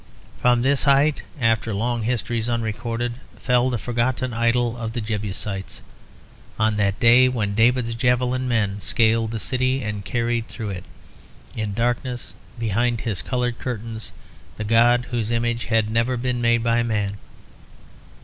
From this height, after long histories unrecorded, fell the forgotten idol of the Jebusites, on that day when David's javelin men scaled the citadel and carried through it, in darkness behind his coloured curtains, the god whose image had never been made by man.